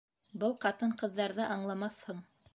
Был ҡатын-ҡыҙҙарҙы аңламаҫһың.